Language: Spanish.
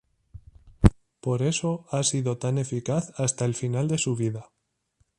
Por eso ha sido tan eficaz hasta el final de su vida.